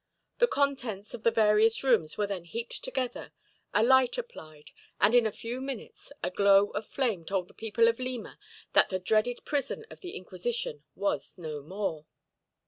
The contents of the various rooms were then heaped together, a light applied, and in a few minutes a glow of flame told the people of Lima that the dreaded prison of the Inquisition was no more.